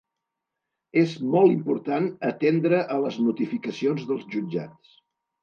És molt important atendre a les notificacions dels jutjats.